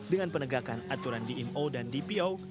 dengan penegakan aturan dmo dan dpo